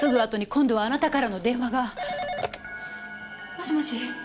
もしもし？